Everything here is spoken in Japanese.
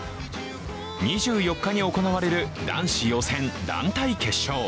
２４日に行われる男子予選・団体決勝。